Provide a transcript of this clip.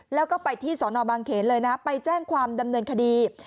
แล้วก็ไปที่สอนอบางเขนเลยนะไปแจ้งความดำเนินคดี